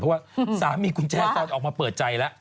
เพราะว่าสามีคุณแจ้ตอนออกมาเปิดใจแล้ว